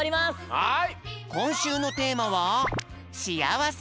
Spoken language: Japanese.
はい！